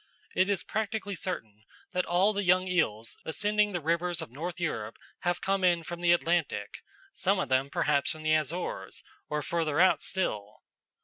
It is practically certain that all the young eels ascending the rivers of North Europe have come in from the Atlantic, some of them perhaps from the Azores or further out still.